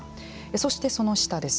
そしてその下です。